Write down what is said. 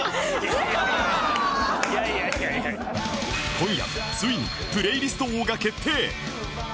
今夜ついにプレイリスト王が決定！